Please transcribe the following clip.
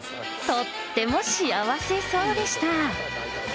とっても幸せそうでした。